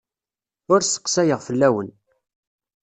Ur sseqsayeɣ fell-awen.